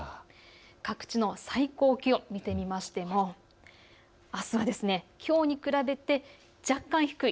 各地の最高気温を見てみましてもあすはきょうに比べて若干低い。